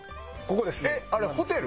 えっあれホテル？